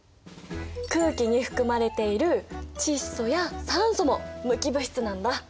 空気に含まれている窒素や酸素も無機物質なんだ。